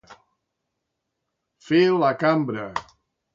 Fer la cambra.